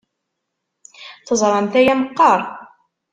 Teẓramt aya meqqar?